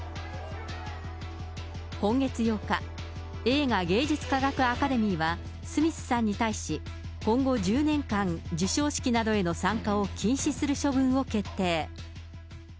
今月８日、映画芸術科学アカデミーは、スミスさんに対し、今後１０年間、授賞式などへの参加を禁止する処分を決定。